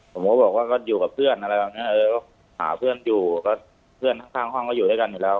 ผมก็บอกว่าก็อยู่กับเพื่อนอะไรแบบเนี้ยเออก็หาเพื่อนอยู่ก็เพื่อนข้างห้องก็อยู่ด้วยกันอยู่แล้ว